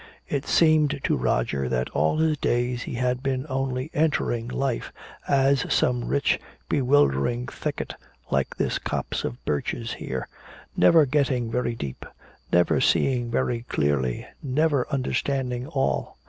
It seemed to Roger that all his days he had been only entering life, as some rich bewildering thicket like this copse of birches here, never getting very deep, never seeing very clearly, never understanding all.